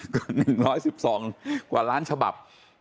ก็๑๑๒กว่าล้านฉบับ